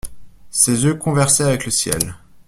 Ses yeux conversaient avec le ciel.